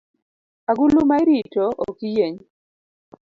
Agulu ma irito ok yieny